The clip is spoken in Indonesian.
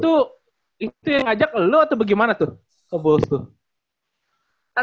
itu itu yang ngajak lu atau bagaimana tuh ke bolsuan